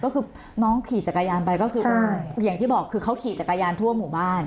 ก็คือน้องขี่จักรยานไปก็คืออย่างที่บอกคือเขาขี่จักรยานทั่วหมู่บ้าน